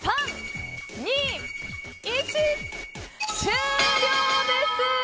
終了です！